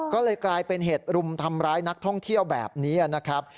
ก็เลยกลายเป็นเหตุรุมทำร้ายนักท่องเที่ยวแบบนี้นะครับ